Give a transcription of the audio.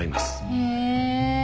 へえ。